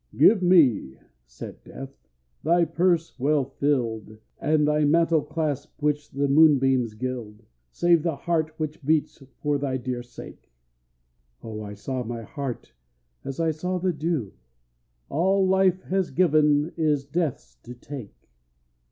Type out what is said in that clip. "Give me," said Death, "thy purse well filled, And thy mantle clasp which the moonbeams gild; Save the heart which beats for thy dear sake," (Oh I saw my heart as I saw the dew!) "All life hath given is Death's to take."